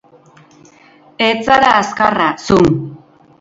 Ez zara azkarra, zu!